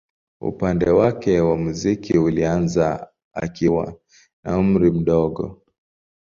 Upendo wake wa muziki ulianza akiwa na umri mdogo.